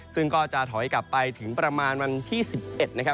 ซึ่งก็จะถอยกลับไปถึงประมาณวันที่๑๑นะครับ